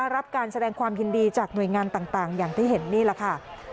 รับการแสดงความยินดีจากหน่วยงานต่างอย่างที่เห็นนี่แหละค่ะ